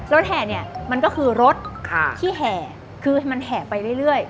แห่เนี่ยมันก็คือรถที่แห่คือมันแห่ไปเรื่อย